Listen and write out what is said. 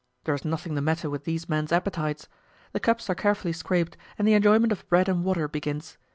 There is nothing the matter with these men's appetites. The cups are carefully scraped, and the enjoyment of bread and water begins.